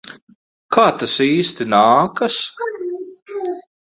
Kā tas īsti nākas?